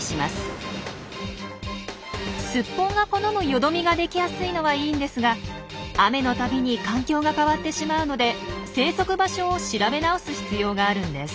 よどみが出来やすいのはいいんですが雨のたびに環境が変わってしまうので生息場所を調べ直す必要があるんです。